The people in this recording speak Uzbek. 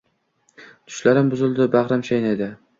Tushlarim buzildi, bagʻrim chaynadi